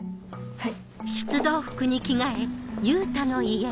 はい。